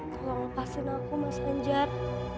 tolong lepasin aku mas anjar